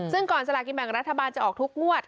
ซึ่งก่อนสลากินแบ่งรัฐบาลจะออกทุกงวด